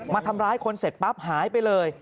มาทำร้ายคนเสร็จปั๊บหายไปเลย